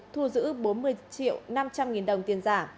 thu giữ bốn mươi triệu năm trăm linh nghìn đồng tiền giả